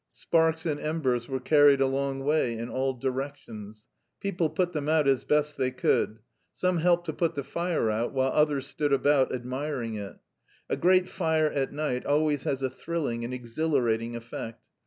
Sparks and embers were carried a long way in all directions. People put them out as best they could. Some helped to put the fire out while others stood about, admiring it. A great fire at night always has a thrilling and exhilarating effect.